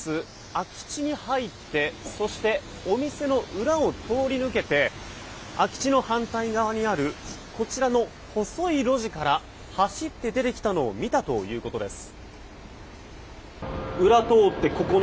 空き地に入ってそしてお店の裏を通り抜けて空き地の反対側にあるこちらの細い路地から走って出てきたのを見たということです。